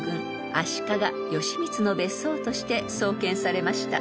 足利義満の別荘として創建されました］